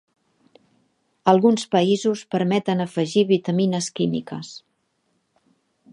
Alguns països permeten afegir vitamines químiques.